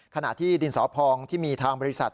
ขณะที่ดินสอพองที่มีทางบริษัท